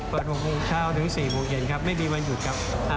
๖โมงเช้าถึง๔โมงเย็นครับไม่มีวันหยุดครับ